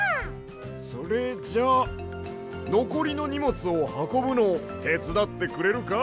それじゃあのこりのにもつをはこぶのをてつだってくれるか？